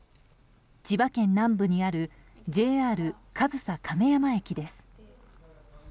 千葉県南部にあるＪＲ上総亀山駅です。